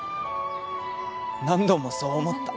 何度もそう思った。